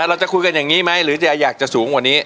เราจะคุยกันอย่างนี้ไหมหรือจะอยากจะสูงกว่านี้